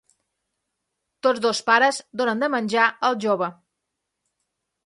Tots dos pares donen de menjar al jove.